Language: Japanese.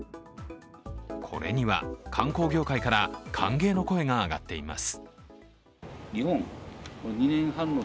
これには観光業界から歓迎の声が上がっています。